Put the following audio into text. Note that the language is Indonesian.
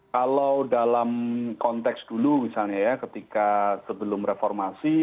kalau dalam konteks dulu misalnya ya ketika sebelum reformasi